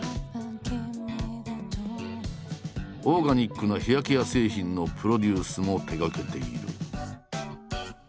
オーガニックのヘアケア製品のプロデュースも手がけている。